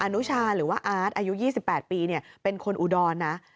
นุชาหรือว่าอาร์ตอายุ๒๘ปีเป็นคนอุดรนะ